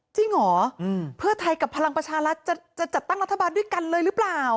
จริงเหรอเพื่อไทยกับพลังประชารัฐจะจัดตั้งรัฐบาลด้วยกันเลยหรือเปล่า